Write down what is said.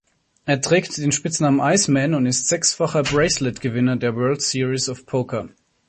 Er trägt den Spitznamen "Iceman" und ist sechsfacher Braceletgewinner der "World Series of Poker".